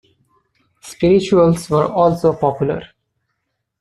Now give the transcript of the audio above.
Spirituals were also popular.